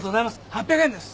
８００円です。